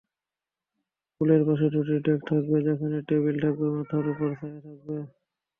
পুলের পাশে দুটি ডেক থাকবে, যেখানে টেবিল থাকবে, মাথার ওপর ছায়া থাকবে।